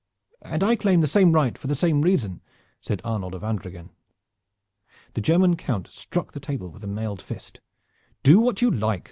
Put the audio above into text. "And I claim the same right for the same reason," said Arnold of Andreghen. The German Count struck the table with his mailed fist. "Do what you like!"